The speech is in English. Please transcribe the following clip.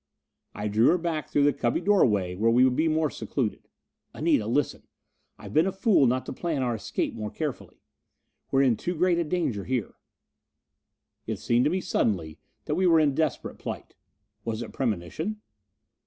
I drew her back through the cubby doorway where we would be more secluded. "Anita, listen: I've been a fool not to plan our escape more carefully! We're in too great a danger here." It seemed to me suddenly that we were in desperate plight. Was it premonition?